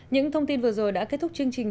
những thông tin vừa rồi đã kết thúc chương trình